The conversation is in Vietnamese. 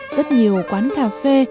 rất nhiều quán cà phê